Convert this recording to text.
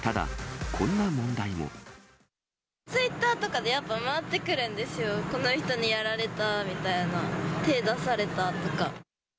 ツイッターとかで、やっぱ回ってくるんですよ、この人にやられたーみたいな、手出されたとか。